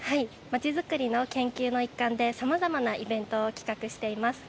まちづくりの研究の一環でさまざまなイベントを企画しています。